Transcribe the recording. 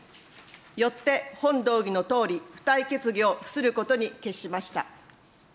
よって、本動議のとおり、付帯決議を付することに決しました。